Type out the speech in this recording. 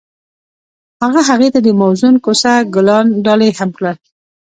هغه هغې ته د موزون کوڅه ګلان ډالۍ هم کړل.